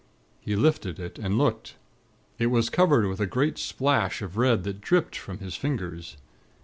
He lifted it, and looked. It was covered with a great splash of red that dripped from his fingers.